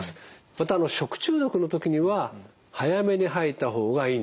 また食中毒の時には早めに吐いた方がいいんですね。